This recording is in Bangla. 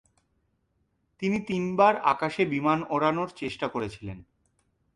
তিনি তিনবার আকাশে বিমান ওড়ানোর চেষ্টা করেছিলেন।